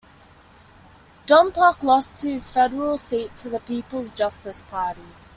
Dompok lost his federal seat to the People's Justice Party.